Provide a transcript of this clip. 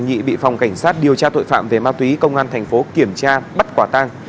nhị bị phòng cảnh sát điều tra tội phạm về ma túy công an thành phố kiểm tra bắt quả tang